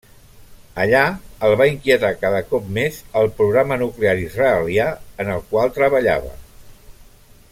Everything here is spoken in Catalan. Allà el va inquietar cada cop més el programa nuclear israelià, en el qual treballava.